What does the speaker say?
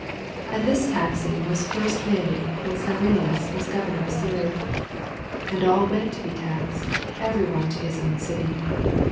2 {And this taxmg was first made when Cyrenius was governor of Syria.) 8 And all went to be taxed, every one into his own city.